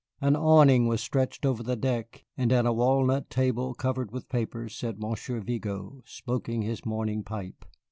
An awning was stretched over the deck, and at a walnut table covered with papers sat Monsieur Vigo, smoking his morning pipe.